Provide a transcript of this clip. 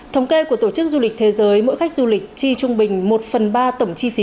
thống kê của tổ chức du lịch thế giới mỗi khách du lịch chi trung bình một phần ba tổng chi phí